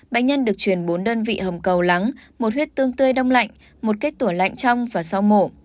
bệnh nhân được chuyển bốn đơn vị hầm cầu lắng một huyết tương tươi đông lạnh một kết tủa lạnh trong và sau mổ